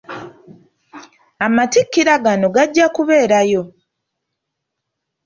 Amatikkira gano gajja kubeerayo.